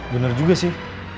bener juga sih